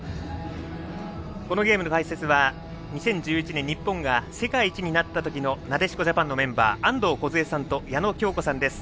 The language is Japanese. このゲームの解説は２０１１年日本が世界一になった時のなでしこジャパンのメンバー安藤梢さんと矢野喬子さんです。